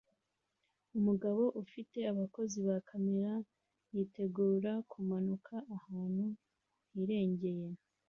Umugabo ufite abakozi ba kamera yitegura kumanuka ahantu hirengeye